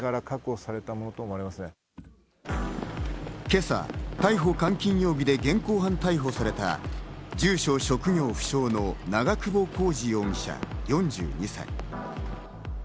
今朝、逮捕監禁容疑で現行犯逮捕された住所職業不詳の長久保浩二容疑者、４２歳。